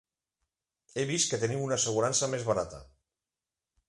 He vist que teniu una assegurança més barata.